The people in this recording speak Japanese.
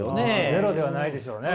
ゼロではないでしょうね。